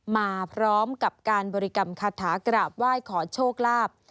มาพร้อมกับการบริกรรมคาถากราบไหว้ขอโชคลาภ